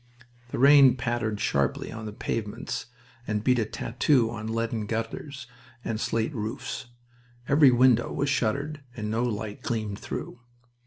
The rain pattered sharply on the pavements and beat a tattoo on leaden gutters and slate roofs. Every window was shuttered and no light gleamed through.